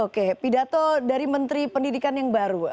oke pidato dari menteri pendidikan yang baru